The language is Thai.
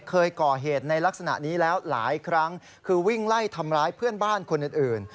เคยก่อเหตุในลักษณะนี้แล้วหลายครั้งคือวิ่งไล่ทำร้ายเพื่อนบ้านคนอื่น